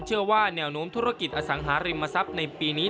เชื่อว่าแนวโน้มธุรกิจอสังหาริมทรัพย์ในปีนี้